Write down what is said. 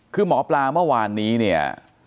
คือหมอปลาเมื่อวานนี้เนี่ย